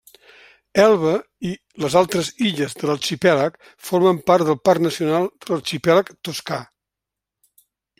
Elba i les altres illes de l'arxipèlag formen part del Parc Nacional de l'Arxipèlag Toscà.